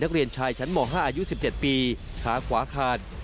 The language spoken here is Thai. ถ้าอายุ๑๗ปีขาขวาขาด